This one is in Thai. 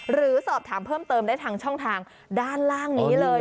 หรือสอบถามเพิ่มเติมได้ทางช่องทางด้านล่างนี้เลย